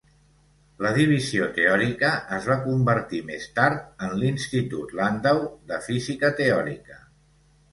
La divisió teòrica es va convertir més tard en l'Institut Landau de Física Teòrica.